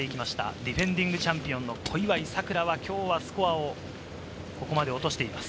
ディフェンディングチャンピオンの小祝さくらは、きょうはスコアをここまで落としています。